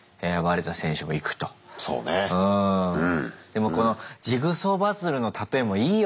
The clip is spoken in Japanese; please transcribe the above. でもこのジグソーパズルの例えもいいよね。